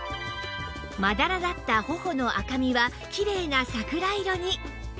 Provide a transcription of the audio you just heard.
まだらだった頬の赤みはきれいな桜色に